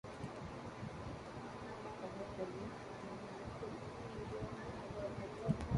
அவர் பெயர் தில்லை நாயகம்.